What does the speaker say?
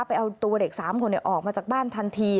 ไปเอาตัวเด็ก๓คนออกมาจากบ้านทันที